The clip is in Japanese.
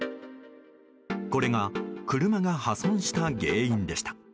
これが車が破損した原因でした。